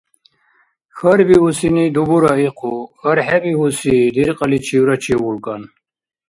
Хьарбиусини дубура ихъу, хьархӀебиуси диркьаличивра чевулкӀан.